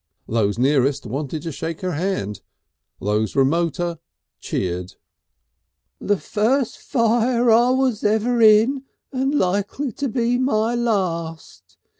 Those nearest wanted to shake her hand, those remoter cheered. "The fust fire I was ever in and likely to be my last.